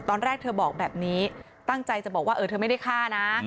ตอนแรกเธอบอกแบบนี้ตั้งใจจะบอกว่าเธอไม่ได้ฆ่านะ